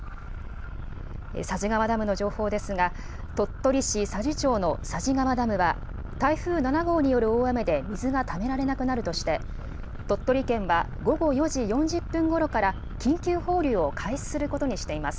佐治川ダムの情報ですが、鳥取市佐治町の佐治川ダムは、台風７号による大雨で水がためられなくなるとして、鳥取県は午後４時４０分ごろから、緊急放流を開始することにしています。